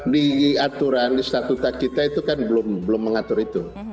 di aturan di statuta kita itu kan belum mengatur itu